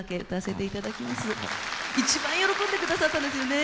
一番喜んでくださったんですよね